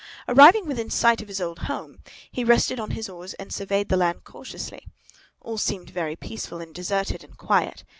Arriving within sight of his old home, he rested on his oars and surveyed the land cautiously. All seemed very peaceful and deserted and quiet.